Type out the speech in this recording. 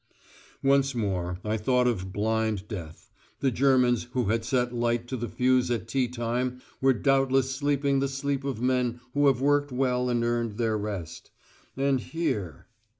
Once more I thought of "blind death." The Germans who had set light to the fuse at tea time were doubtless sleeping the sleep of men who have worked well and earned their rest. And here....